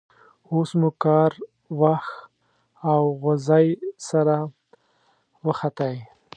اوس مو کار واښ او غوزی سره وختی.